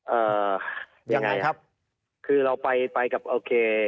เอ่อยังไงครับคือเราไปไปกับโอเค